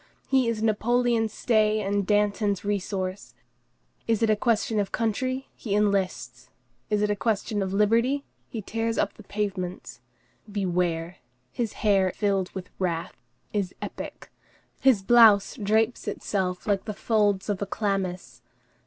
He is Napoleon's stay and Danton's resource. Is it a question of country, he enlists; is it a question of liberty, he tears up the pavements. Beware! his hair filled with wrath, is epic; his blouse drapes itself like the folds of a chlamys.